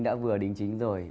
đã vừa đính chính rồi